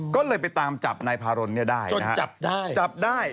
ก็เลยไปตามจับนายภารณ์ได้จนจับได้